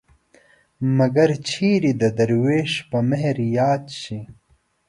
مګر چېرې د دروېش په مهر ياد شي